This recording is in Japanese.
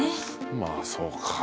まあそうか。